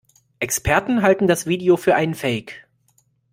Experten halten das Video für einen Fake.